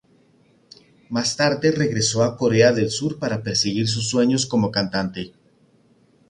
Más tarde regresó a Corea del Sur para perseguir sus sueños como cantante.